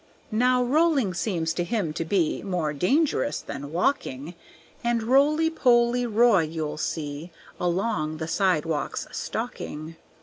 Now rolling seems to him to be More dangerous than walking. And Roly Poly Roy you'll see Along the sidewalks stalking.